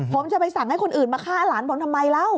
ผมจะไปสั่งให้คนอื่นมาฆ่าหลานผมทำไมเล่า